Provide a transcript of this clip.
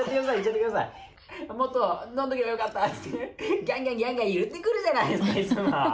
もっと飲んどけばよかったっつってギャンギャンギャンギャン言ってくるじゃないですかいつも。